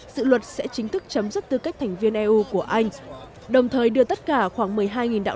dự luật sẽ chính thức chấm dứt tư cách thành viên eu của anh đồng thời đưa tất cả khoảng một mươi hai đạo